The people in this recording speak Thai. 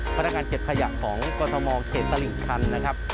พนักงานเก็บขยะของกรทมเขตตลิ่งชันนะครับ